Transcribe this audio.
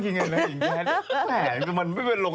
ยังไงแห่งไหนอาหารเหมือนพี่ม่าง